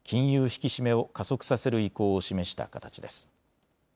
引き締めを加速させる意向を示した形です。